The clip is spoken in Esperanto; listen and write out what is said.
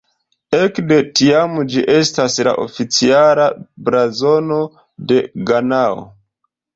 Ekde tiam ĝi estas la oficiala blazono de Ganao.